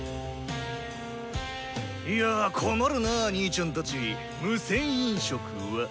いや困るなにいちゃんたち「無銭飲食」は。